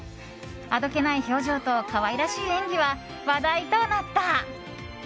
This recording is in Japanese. あどけない表情と可愛らしい演技は話題となった。